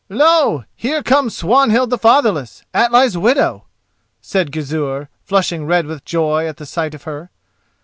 "Lo! here comes Swanhild the Fatherless, Atli's widow," said Gizur, flushing red with joy at the sight of her.